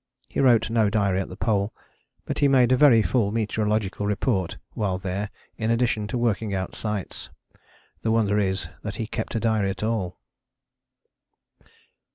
He wrote no diary at the Pole, but he made a very full meteorological report while there in addition to working out sights. The wonder is that he kept a diary at all.